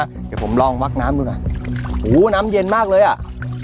เดี๋ยวผมลองวักน้ำดูหน่อยโหน้ำเย็นมากเลยอ่ะ